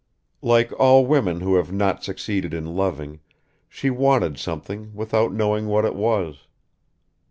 Like all women who have not succeeded in loving, she wanted something without knowing what it was.